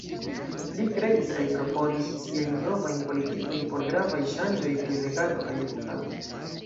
Li kreis kaj proponis siajn Novajn Politikojn por gravaj ŝanĝoj en regado kaj edukado.